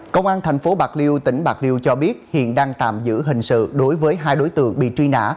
công an thành phố bạc liêu tỉnh bạc liêu cho biết hiện đang tạm giữ hình sự đối với hai đối tượng bị truy nã